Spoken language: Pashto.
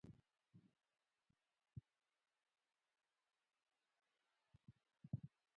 احمد په علم کې بیخي د اجتهاد دورې ته رسېدلی دی.